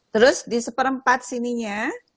terus di seperempat sininya